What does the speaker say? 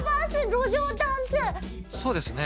そうですね。